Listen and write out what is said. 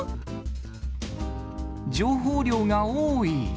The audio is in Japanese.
情報量が多い。